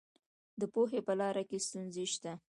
د پوهې په لاره کې ستونزې شته.